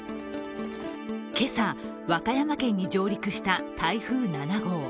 今朝、和歌山県に上陸した台風７号。